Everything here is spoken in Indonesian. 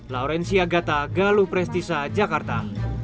laurencia gata galuh prestisa jakarta